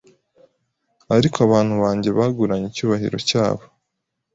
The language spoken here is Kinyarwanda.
Ariko abantu banjye baguranye icyubahiro cyabo